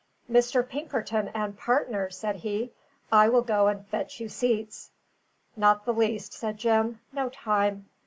"Mr. Pinkerton and partner!" said he. "I will go and fetch you seats." "Not the least," said Jim. "No time.